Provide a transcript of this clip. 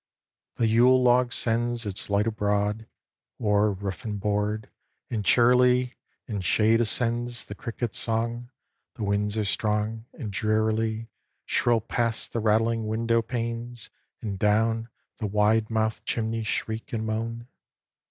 The Yule log sends Its light abroad O'er roof and board; And cheerily In shade ascends The cricket's song; The winds are strong, And drearily Shrill past the rattling window panes, and down The wide mouthed chimney shriek and moan.